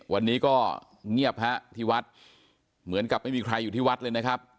วันนี้ก็เงียบฮะที่วัดเหมือนกับไม่มีใครอยู่ที่วัดเลยนะครับ